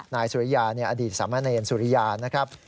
นายสุริยาอดีตสามเณรสุริยานะครับ